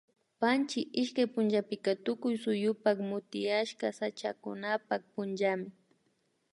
Panchi ishkay punllapika Tukuy suyupak motiashka sachakunapak punllami